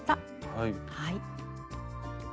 はい。